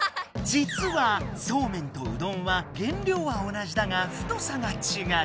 じつはそうめんとうどんは原りょうは同じだが太さがちがう。